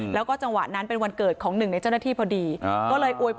แล้วก็จังหวะนั้นเป็นวันเกิดของหนึ่งในเจ้าหน้าที่พอดีก็เลยอวยพร